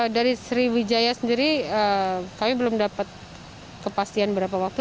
dari sriwijaya sendiri kami belum dapat kepastian berapa waktu